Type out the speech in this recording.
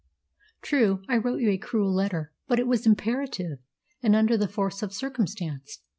True, I wrote you a cruel letter; but it was imperative, and under the force of circumstance.